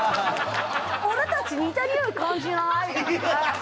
「俺たち似たニオイ感じない？」。